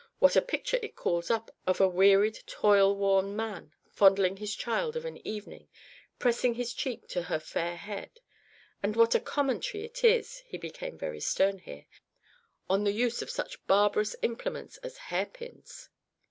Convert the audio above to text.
what a picture it calls up of a wearied toil worn man fondling his child of an evening pressing his cheek to her fair head and what a commentary it is (he became very stern here) on the use of such barbarous implements as hair pins!